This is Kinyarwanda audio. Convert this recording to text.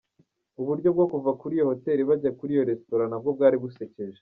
Uburyo bwo kuva kuri Hotel bajya kuri iyo restaurant nabwo bwari busekeje.